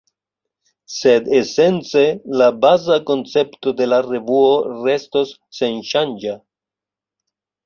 Sed esence la baza koncepto de la revuo restos senŝanĝa.